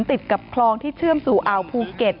ติดกับคลองที่เชื่อมสู่อ่าวภูเก็ต